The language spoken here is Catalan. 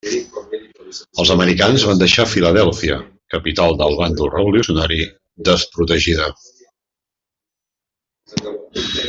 Els americans van deixar Filadèlfia, capital del bàndol revolucionari, desprotegida.